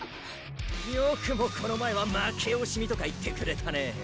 よくもこの前は「負けおしみ」とか言ってくれたね